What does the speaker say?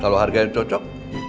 kalau harganya cocok